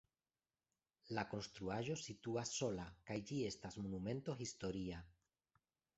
La konstruaĵo situas sola kaj ĝi estas Monumento historia.